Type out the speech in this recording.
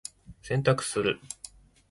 洗濯する。